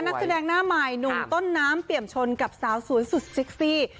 นักแสดงหน้าใหม่หนุ่มต้นน้ำเปี่ยมชนกับสาวสวยสุดเซ็กซี่